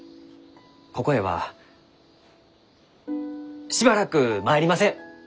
ここへはしばらく参りません！